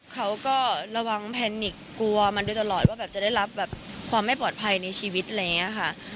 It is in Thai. เขาก็ระวังแพนิกกลัวมันโดยตลอดว่าแบบจะได้รับแบบความไม่ปลอดภัยในชีวิตอะไรอย่างนี้ค่ะ